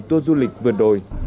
tua du lịch vườn đồi